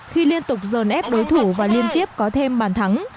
khi liên tục dồn ép đối thủ và liên tiếp có thêm bàn thắng